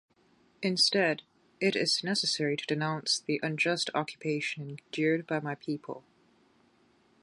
Instead, it is necessary to denounce the unjust occupation endured by my people.